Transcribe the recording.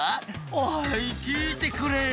「おい聞いてくれよ